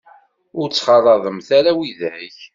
Ur ttxalaḍemt ara widak.